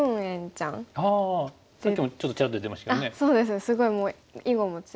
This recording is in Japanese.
すごいもう囲碁も強くて。